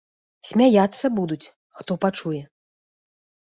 Смяяцца будуць, хто пачуе.